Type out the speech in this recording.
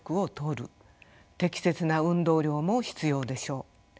適切な運動量も必要でしょう。